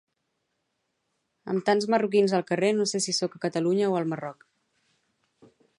Amb tants marroquins pel carrer no sé si sóc a Catalunya o al Marroc